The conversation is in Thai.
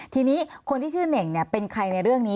ทีนี้คนที่ชื่อเน่งเป็นใครในเรื่องนี้